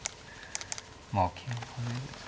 まあ桂跳ねるんですか。